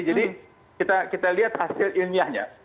jadi kita lihat hasil ilmiahnya